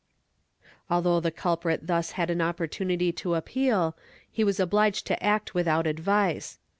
^ Although the culprit thus had an oppor tunity to appeal, he was obliged to act without advice.